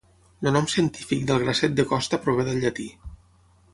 El nom científic del grasset de costa prové del llatí.